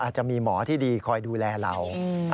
จะมีหมอที่ดีคอยดูแลเรา